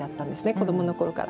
子どものころから。